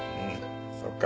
そうか。